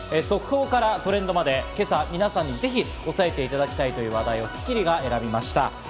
速報からトレンドまで今朝、皆さんにぜひ押さえていただきたいという話題を『スッキリ』が選びました。